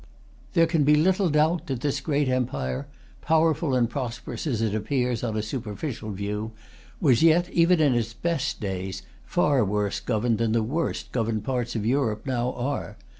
There can be little doubt that this great empire, powerful and prosperous as it appears on a superficial view, was yet, even in its best days, far worse governed than the worst governed parts of Europe now are.